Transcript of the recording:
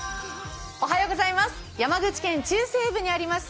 山口県中西部にあります